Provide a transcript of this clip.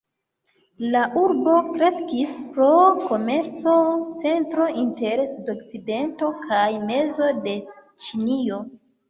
La urbo kreskis pro komerco-centro inter sudokcidento kaj mezo de Ĉinio.